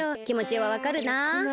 きもちはわかるなあ。